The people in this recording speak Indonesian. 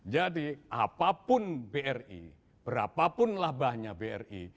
jadi apapun bri berapapun labahnya bri